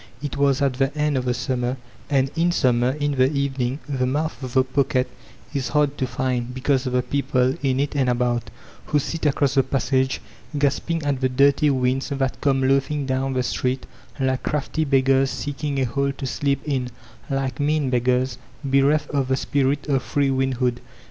It was at the end of the summer ; and in summer, in the evening, the mouth of the pocket is hard to find, because of the people, in it and about^ who sit across the passage, gasping at the dirty winds that come loafing down the street like crafty beggars seeking a hole to sleep in — ^like mean beggars, bereft of the spirit of free windhood.